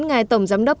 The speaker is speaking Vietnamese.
ngài tổng giám đốc